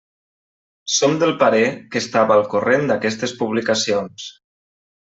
Som del parer que estava al corrent d'aquestes publicacions.